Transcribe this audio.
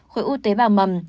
khối u tế bào mầm